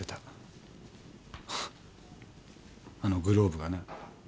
あのグローブがな。